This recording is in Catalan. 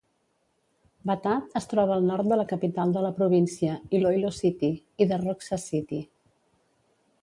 Batad es troba al nord de la capital de la província, Iloilo City, i de Roxas City.